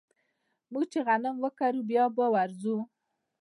موږ چې غنم وکرو نو بيا به ورځو